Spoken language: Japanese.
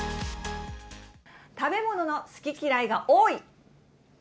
食べ物の好き嫌いが多い。